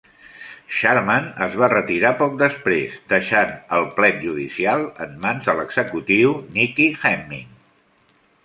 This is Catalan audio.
Sharman es va retirar poc després, deixant el plet judicial en mans de l"executiu Nikki Hemming.